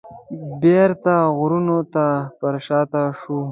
بیرته غرونو ته پرشاته شو.